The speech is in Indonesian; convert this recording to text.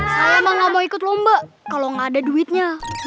saya emang ga mau ikut lomba kalo ga ada duitnya